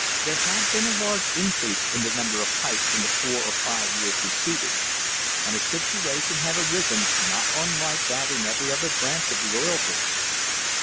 There had been a large increase in the number of pipes in the four or five years preceding, and a situation had arisen not unlike that in every other branch of the oil business.